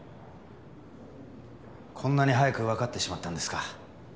こんなに早くわかってしまったんですか。